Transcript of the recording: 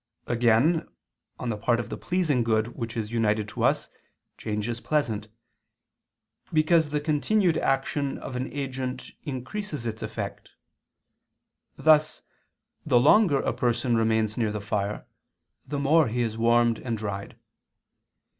Again, on the part of the pleasing good which is united to us, change is pleasant. Because the continued action of an agent increases its effect: thus the longer a person remains near the fire, the more he is warmed and dried.